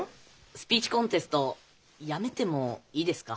スピーチコンテストやめてもいいですか？